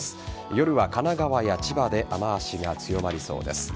これは神奈川や千葉で雨脚が強まりそうです。